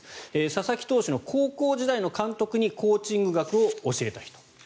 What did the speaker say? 佐々木投手の高校時代の監督にコーチング学を教えた人。